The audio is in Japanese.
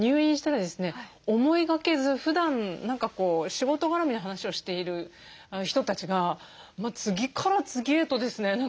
思いがけずふだん何か仕事絡みの話をしている人たちが次から次へとですね